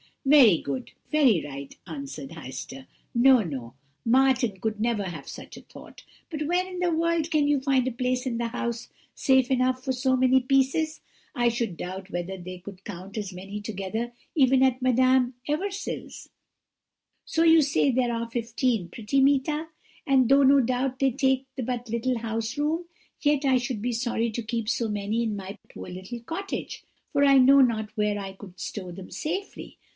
"'Very good, very right,' answered Heister. 'No, no! Martin could never have such a thought. But where in the world can you find a place in the house safe enough for so many pieces? I should doubt whether they could count as many together even at Madame Eversil's. So you say there are fifteen, pretty Meeta? and though no doubt they take but little house room, yet I should be sorry to keep so many in my poor little cottage, for I know not where I could stow them safely.